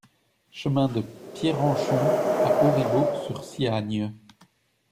Chemin de Pierrenchon à Auribeau-sur-Siagne